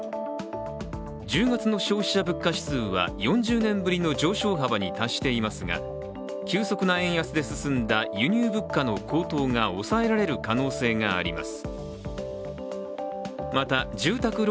１０月の消費者物価指数は４０年ぶりの上昇幅に達していますが、急速な円安で進んだ輸入物価の高騰が抑えられる可能性があります。